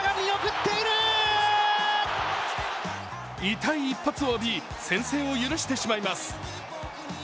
痛い一発を浴び、先制を許してしまいます。